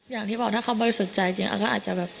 อย่างที่บอกถ้าเขาบริสุทธิ์ใจจริงก็อาจจะแบบ